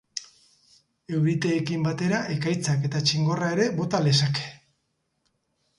Euriteekin batera, ekaitzak eta txingorra ere bota lezake.